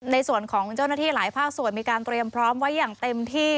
ในส่วนของเจ้าหน้าที่หลายภาคส่วนมีการเตรียมพร้อมไว้อย่างเต็มที่